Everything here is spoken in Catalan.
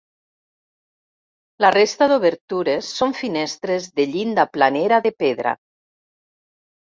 La resta d'obertures són finestres de llinda planera de pedra.